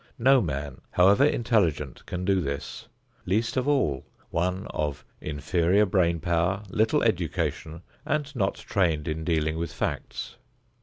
No man, however intelligent, can do this, least of all one of inferior brain power, little education and not trained in dealing with facts.